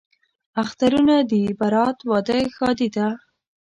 اخترونه دي برات، واده، ښادي ده